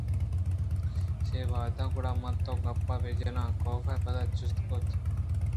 چے وہد ءَگُڑا من تو گپ بہ جناں؟ کاف ءَ پدا جست کُت